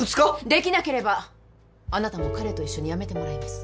できなければあなたも彼と一緒に辞めてもらいます。